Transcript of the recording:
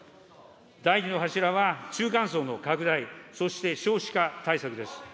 第２の柱は中間層の拡大、そして少子化対策です。